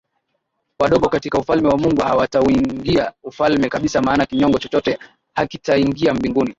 Wadogo katika ufalme wa Mungu hawatauingia ufalme kabisa maana kinyonge chochote hakitaingia Mbinguni